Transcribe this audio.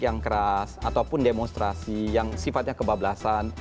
yang keras ataupun demonstrasi yang sifatnya kebablasan